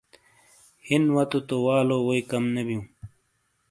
ہِین واتو تو والو ووئی کم نے بِیوں۔